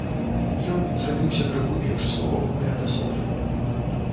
Ён зрабіўся крыху менш суровым і адасобленым.